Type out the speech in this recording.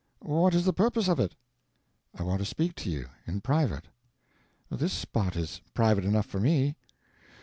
"What is the purpose of it?" "I want to speak to you—in private." "This spot is private enough for me."